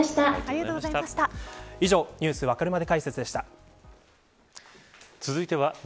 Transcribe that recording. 以上Ｎｅｗｓわかるまで解説でした。